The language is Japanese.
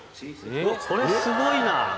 これすごいな！